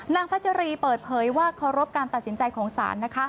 พัชรีเปิดเผยว่าเคารพการตัดสินใจของศาลนะคะ